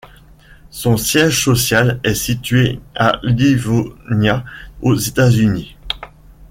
Son siège social est situé à Livonia, aux États-Unis.